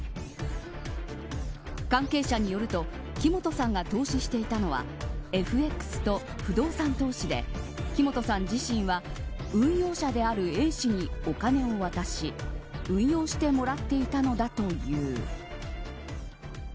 関係者によると木本さんが投資していたのはＦＸと不動産投資で木本さん自身は運用者であるＡ氏にお金を渡し運用してもらっていたのだという。